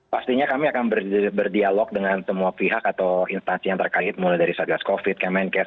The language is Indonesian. pastinya kami akan berdialog dengan semua pihak atau instansi yang terkait mulai dari satgas covid kemenkes